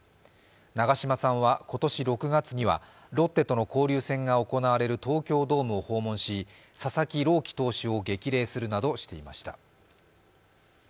長嶋さんは今年６月にはロッテとの交流戦が行われる東京ドームを訪問し佐々木朗希投手を激励するなどしていました。